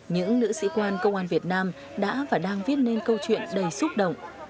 những nữ sĩ quan công an việt nam đã và đang viết nên câu chuyện đầy xúc động